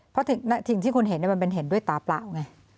เพราะสิ่งที่คุณเห็นมันเป็นเห็นด้วยตาเปล่าไง